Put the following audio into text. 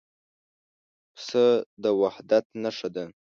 پسه د وحدت نښه ده.